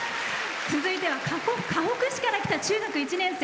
続いてはかほく市から来た中学１年生。